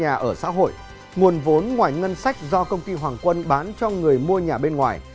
nhà ở xã hội nguồn vốn ngoài ngân sách do công ty hoàng quân bán cho người mua nhà bên ngoài